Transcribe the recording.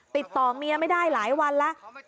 ติดต่อเมียไม่ได้หลายวันแล้ว